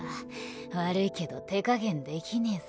悪いけど手加減できねえぞ。